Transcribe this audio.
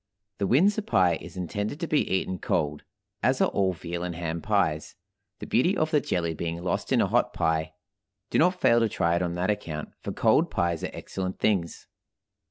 The Windsor pie is intended to be eaten cold, as are all veal and ham pies, the beauty of the jelly being lost in a hot pie. Do not fail to try it on that account, for cold pies are excellent things.